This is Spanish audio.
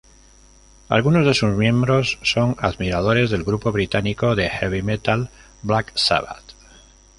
Algunos de sus miembros son admiradores del grupo británico de heavy metal, Black Sabbath.